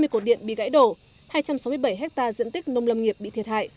hai mươi cổ điện bị gãy đổ hai trăm sáu mươi bảy hectare diện tích nông lâm nghiệp bị thiệt hại